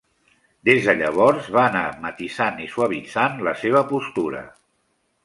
Des de llavors va anar matisant i suavitzant la seva postura.